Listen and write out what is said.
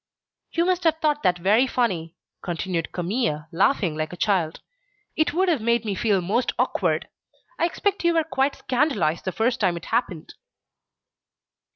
"You must have thought that very funny," continued Camille, laughing like a child. "It would have made me feel most awkward. I expect you were quite scandalised the first time it happened."